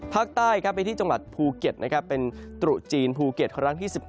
ภาคใต้ไปที่จังหวัดภูเก็ตนะครับเป็นตรุษจีนภูเก็ตครั้งที่๑๑